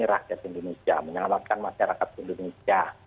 rakyat indonesia menyelamatkan masyarakat indonesia